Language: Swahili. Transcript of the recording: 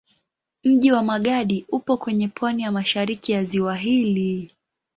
Mji wa Magadi upo kwenye pwani ya mashariki ya ziwa hili.